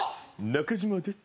中島です。